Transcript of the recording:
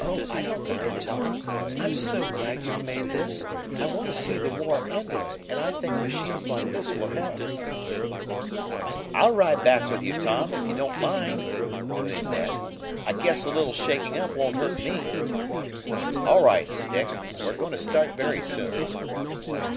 "Oh, I don't mind, Tom! I'm so glad you've made this! I want to see the war ended, and I think machines like this will help." "I'll ride back with you, Tom, if you don't mind," put in Ned. "I guess a little shaking up won't hurt me." "All right stick. We're going to start very soon."